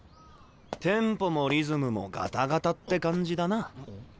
テンポもリズムもガタガタって感じだな。